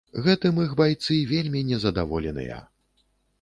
Гэтым іх байцы вельмі незадаволеныя.